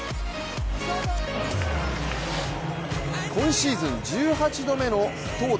今シーズン１８度目の投打